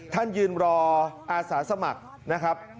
ยืนรออาสาสมัครนะครับ